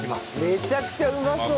めちゃくちゃうまそう！